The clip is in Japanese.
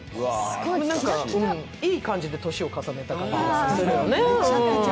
いい感じで年を重ねた感じよね。